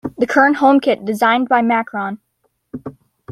The current home kit designed by Macron.